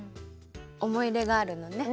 おもいいれがあるのね。